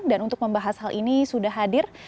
dan untuk membahas hal ini sudah hadir